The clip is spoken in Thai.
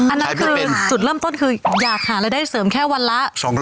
อันนั้นคือจุดเริ่มต้นคืออยากหารายได้เสริมแค่วันละ